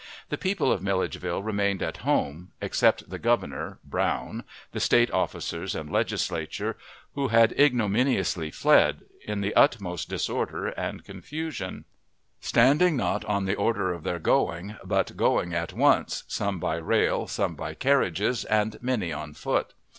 The people of Milledgeville remained at home, except the Governor (Brown), the State officers, and Legislature, who had ignominiously fled, in the utmost disorder and confusion; standing not on the order of their going, but going at once some by rail, some by carriages, and many on foot.